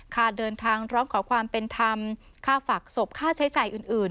ค่าเดินทางร้องขอความเป็นธรรมค่าฝากศพค่าใช้จ่ายอื่น